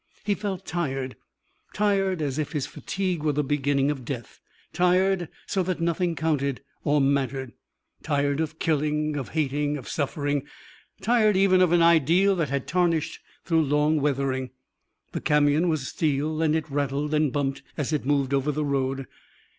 He felt tired tired as if his fatigue were the beginning of death tired so that nothing counted or mattered tired of killing, of hating, of suffering tired even of an ideal that had tarnished through long weathering. The camion was steel and it rattled and bumped as it moved over the road.